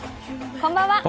こんばんは。